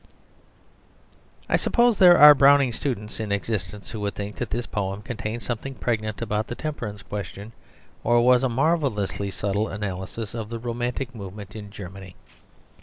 I suppose there are Browning students in existence who would think that this poem contained something pregnant about the Temperance question, or was a marvellously subtle analysis of the romantic movement in Germany.